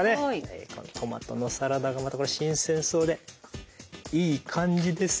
トマトのサラダがまたこれ新鮮そうでいい感じです！